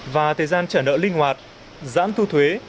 và thời gian trả nợ linh hoạt giãn thu thuế